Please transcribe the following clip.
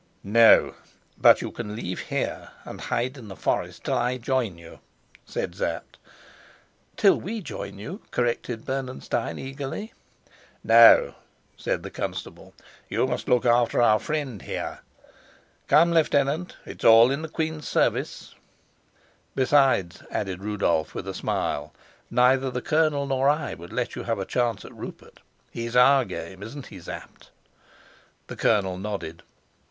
"No; but you can leave here and hide in the forest till I join you," said Sapt. "Till we join you," corrected Bernenstein eagerly. "No," said the constable, "you must look after our friend here. Come, Lieutenant, it's all in the queen's service." "Besides," added Rudolf with a smile, "neither the colonel nor I would let you have a chance at Rupert. He's our game, isn't he, Sapt?" The colonel nodded.